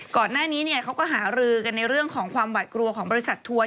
ก่อนหน้านี้เขาก็หารือกันในเรื่องของความหวัดกลัวของบริษัททัวร์